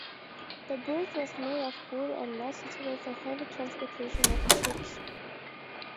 The bridge was made of wood and not suitable for heavy transportation of troops.